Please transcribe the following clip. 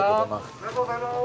ありがとうございます。